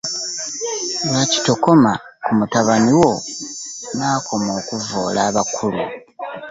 Lwaki tokoma ku mutabani wo n'akoma okuvvoola abakulu?